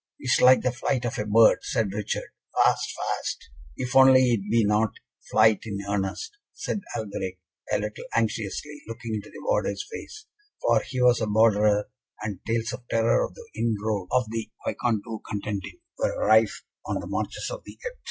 "It is like the flight of a bird," said Richard, "fast, fast " "If only it be not flight in earnest," said Alberic, a little anxiously, looking into the warder's face, for he was a borderer, and tales of terror of the inroad of the Vicomte du Contentin were rife on the marches of the Epte.